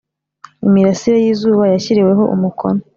imirasire y izuba yashyiriweho umukono